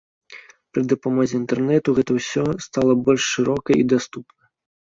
Пры дапамозе інтэрнэту гэта ўсё стала больш шырока і даступна.